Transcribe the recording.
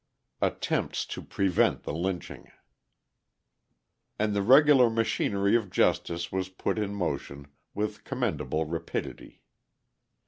Attempts to Prevent the Lynching And the regular machinery of justice was put in motion with commendable rapidity.